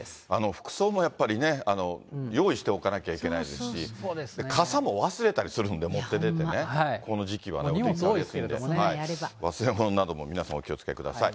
服装もやっぱりね、用意しておかなきゃいけないですし、傘も忘れたりするんで、持って出てね、この時期はね。忘れ物なども皆さん、お気をつけください。